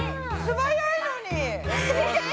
素早いのに。